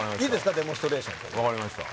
デモンストレーション分かりました